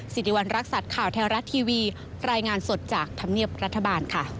สิริวัณรักษัตริย์ข่าวแท้รัฐทีวีรายงานสดจากธรรมเนียบรัฐบาลค่ะ